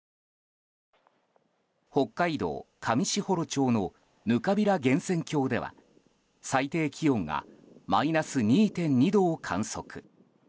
北海道上士幌町のぬかびら源泉郷では最低気温がマイナス２．２度を観測。